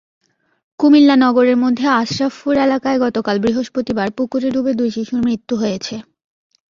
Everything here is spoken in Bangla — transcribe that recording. কুমিল্লা নগরের মধ্য আশ্রাফপুর এলাকায় গতকাল বৃহস্পতিবার পুকুরে ডুবে দুই শিশুর মৃত্যু হয়েছে।